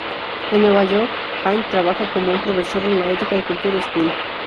En Nueva York, Hine trabajo como profesor en la Ethical Culture School.